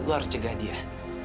lu harus jaga dia